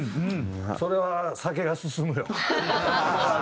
それは酒が進むよ。